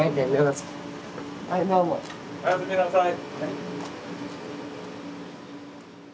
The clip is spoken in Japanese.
おやすみなさい。